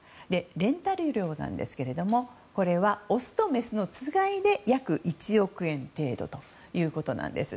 レンタル料なんですけれどもオスとメスのつがいで約１億円程度ということなんです。